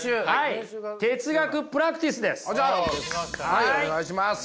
はいお願いします。